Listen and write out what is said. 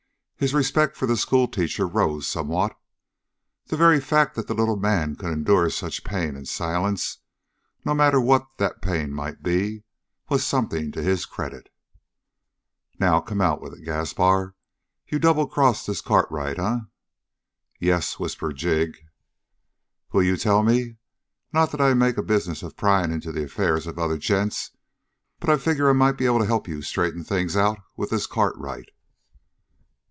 His respect for the schoolteacher rose somewhat. The very fact that the little man could endure such pain in silence, no matter what that pain might be, was something to his credit. "Now come out with it, Gaspar. You double crossed this Cartwright, eh?" "Yes," whispered Jig. "Will you tell me? Not that I make a business of prying into the affairs of other gents, but I figure I might be able to help you straighten things out with this Cartwright."